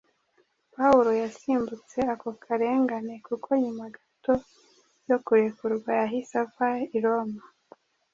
Pawulo yasimbutse ako karengane kuko nyuma gato yo kurekurwa yahise ava i Roma